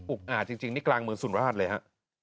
อุ๊กอ่าจริงนี่กลางมือศูนย์ราชเลยฮะ